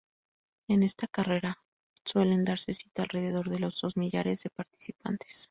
En este carrera suelen darse cita alrededor de los dos millares de participantes.